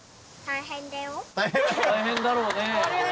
大変だろうね。